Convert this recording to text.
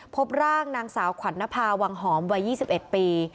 พบร่างนางสาวขวัญนภาวังหอมวัย๒๑ปี